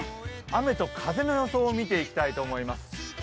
雨と風の予想を見ていきたいと思います。